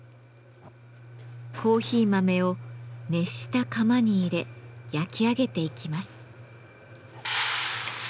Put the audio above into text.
コーヒー豆を熱した釜に入れ焼き上げていきます。